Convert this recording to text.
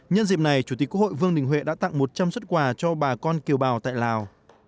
nhân dịp này chủ tịch quốc hội vương đình huệ đã tặng một trăm linh xuất quà cho bà con kiều bào tại lào